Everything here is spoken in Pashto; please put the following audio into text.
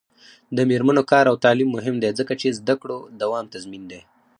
د میرمنو کار او تعلیم مهم دی ځکه چې زدکړو دوام تضمین دی.